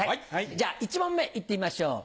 じゃあ１問目いってみましょう。